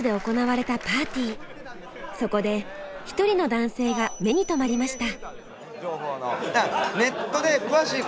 そこで一人の男性が目に留まりました。